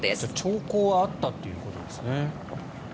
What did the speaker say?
兆候はあったということですね。